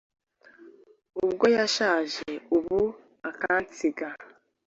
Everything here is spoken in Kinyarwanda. ubwo yashaje ubu akansiga